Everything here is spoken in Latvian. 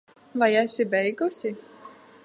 Vai esi beigusi?